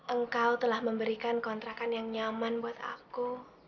engkau telah memberikan kontrakan yang nyaman buat aku